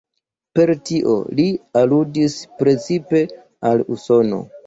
Per tio li aludis precipe al Usono.